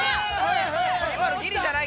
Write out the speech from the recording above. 今のギリじゃない？